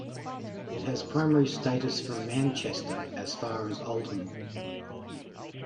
It has primary status from Manchester as far as Oldham.